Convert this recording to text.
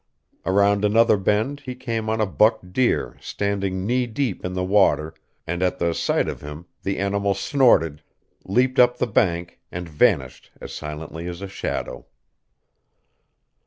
Around another bend he came on a buck deer standing knee deep in the water, and at the sight of him the animal snorted, leaped up the bank and vanished as silently as a shadow.